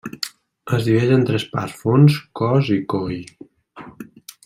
Es divideix en tres parts: fons, cos i coll.